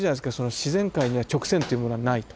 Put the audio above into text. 自然界には直線っていうものはないと。